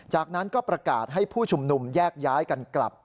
จากนั้นก็ประกาศให้ผู้ชุมนุมแยกย้ายกันกลับ